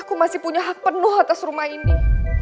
aku masih punya hak penuh atas rumah ini